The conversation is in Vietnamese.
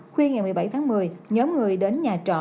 khuya ngày một mươi bảy tháng một mươi nhóm người đến nhà trọ